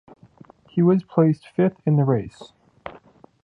He was placed fifth in the race.